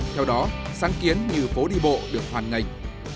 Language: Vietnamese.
theo đó sáng kiến như phố đi bộ được hoàn ngành